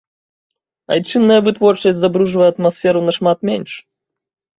Айчынная вытворчасць забруджвае атмасферу нашмат менш.